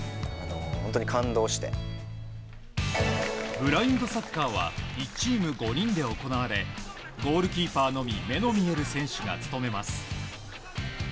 ブラインドサッカーは１チーム５人で行われゴールキーパーのみ目の見える選手が務めます。